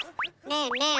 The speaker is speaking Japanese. ねえねえ